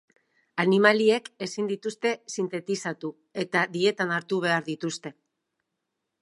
Animaliek ezin dituzte sintetizatu eta dietan hartu behar dituzte.